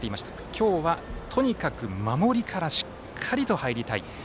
今日は守りから、しっかりと入りたい。